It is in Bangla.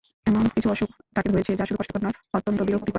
এমন কিছু অসুখ তাঁকে ধরেছে, যা শুধু কষ্টকর নয়, অত্যন্ত বিরক্তিকর।